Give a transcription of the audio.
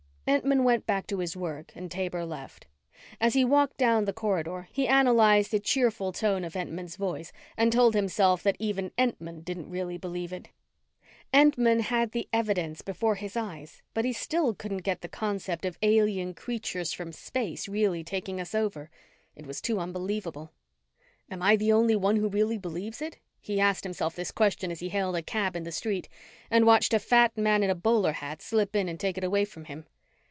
Entman went back to his work and Taber left. As he walked down the corridor, he analyzed the cheerful tone of Entman's voice and told himself that even Entman didn't really believe it. Entman had the evidence before his eyes but he still couldn't get the concept of alien creatures from space really taking us over. It was too unbelievable. Am I the only one who really believes it? He asked himself this question as he hailed a cab in the street and watched a fat man in a bowler hat slip in and take it away from him.